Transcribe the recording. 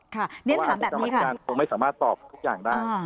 เพราะว่าทางกรรมธิการคงไม่สามารถตอบทุกอย่างได้